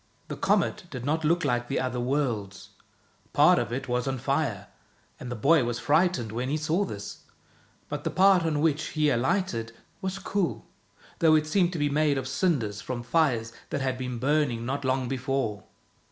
The comet did not look like the other worlds. Part of it was on fire, and the boy was frightened when he saw this; but the part on which he alighted was cool, though it seemed to be made of cinders from fires that had been burning not long before.